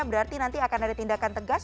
berarti nanti akan ada tindakan tegas